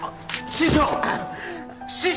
師匠！